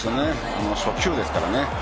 初球ですからね。